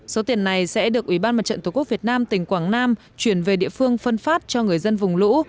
số tiền này sẽ được ủy ban mặt trận tổ quốc việt nam tỉnh quảng nam chuyển về địa phương phân phát cho người dân vùng lũ